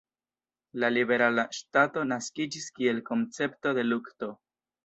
La Liberala Ŝtato naskiĝis kiel koncepto de lukto.